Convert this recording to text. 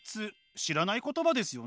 知らない言葉ですよね？